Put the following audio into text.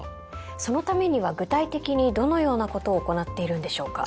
そのためには具体的にどのようなことを行っているんでしょうか？